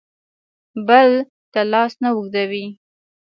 بل ته لاس نه اوږدوي.